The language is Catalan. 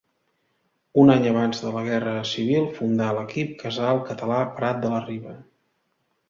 Un any abans de la Guerra Civil fundà l'equip Casal Català Prat de la Riba.